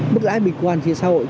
mức lãi bình quan trên xã hội